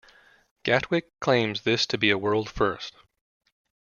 Gatwick claims this to be a world-first.